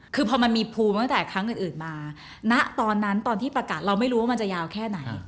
คือพอมันมีภูมิตั้งแต่ครั้งอื่นมาณตอนนั้นตอนที่ประกาศเราไม่รู้ว่ามันจะยาวแค่ไหน